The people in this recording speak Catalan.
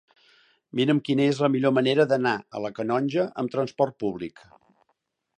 Mira'm quina és la millor manera d'anar a la Canonja amb trasport públic.